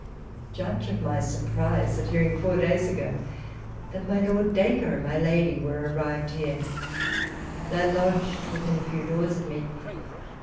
Judge ot my surprise at hearing four days ago, that my Lord Dacre and my lady were arrived here. They are lodged within a few doors of me.